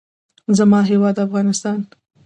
زما هېواد افغانستان.